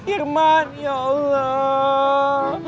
irman ya allah